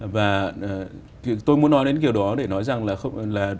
và tôi muốn nói đến điều đó để nói rằng là